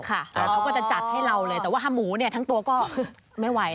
เขาก็จะจัดให้เราเลยแต่ว่าถ้าหมูทั้งตัวก็ไม่ไหว